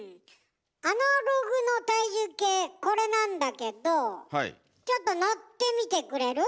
アナログの体重計これなんだけどちょっと乗ってみてくれる？